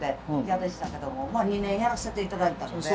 嫌でしたけどもまあ２年やらせていただいたので。